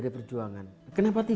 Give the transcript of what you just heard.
dan kelihatan jangka jauh terbit